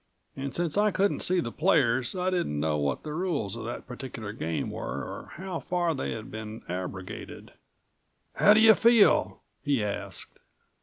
And since I couldn't see the players I didn't know what the rules of that particular game were or how far they had been abrogated. "How do you feel?" he asked.